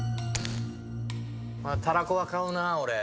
たらこは買うな俺。